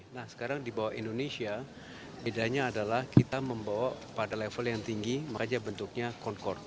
nah sekarang di bawah indonesia bedanya adalah kita membawa pada level yang tinggi meraja bentuknya concord